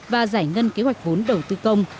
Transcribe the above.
và giải ngân kế hoạch vốn đầu tư công